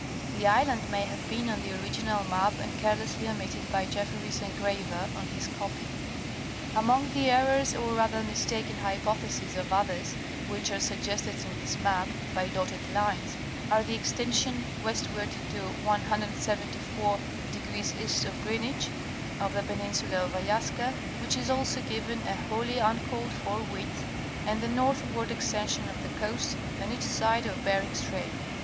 The island may have been on the original map and care lessly omitted by Jefferys' engraver on his copy. Among the errors, or rather mistaken hypotheses of others, which are suggested in this map by dotted lines, are the extension westward to 174° E. of Greenwich, of the peninsula of Aliaska which is also given a wholly uncalled for width; and the northward extension of the coast on each side of Bering Strait.